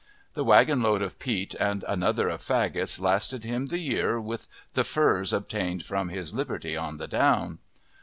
The wagon load of peat and another of faggots lasted him the year with the furze obtained from his "liberty" on the down.